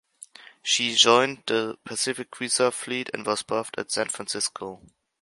She joined the Pacific Reserve Fleet and was berthed at San Francisco.